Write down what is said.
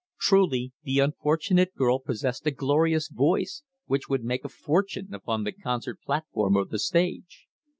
Truly, the unfortunate girl possessed a glorious voice, which would make a fortune upon the concert platform or the stage.